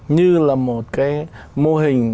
như là một cái mô hình